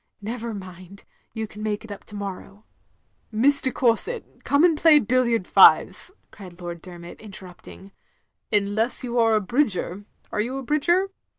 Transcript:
Never mind, you can make up for it to morrow. " "Miss de Courset, come and play billiard fives," cried Lord Dermot, interrupting, "tmless you are a bridger. Are you a bridgdr?"